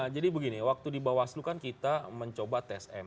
jadi begini waktu di bawaslu kan kita mencoba tes m